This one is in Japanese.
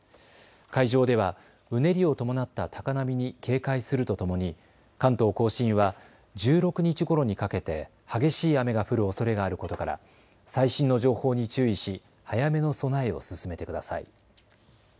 海上ではうねりを伴った高波に警戒するとともに関東甲信は１６日ごろにかけて激しい雨が降るおそれがあることから最新の情報に注意し早めの備えを進めてください。